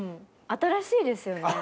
新しいですよね。